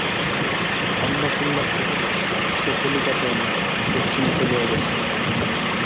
অন্নপূর্ণা কহিলেন, সে কলিকাতায় নাই, পশ্চিমে চলিয়া গেছে।